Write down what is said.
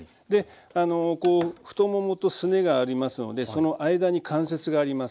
あのこう太ももとすねがありますのでその間に関節があります。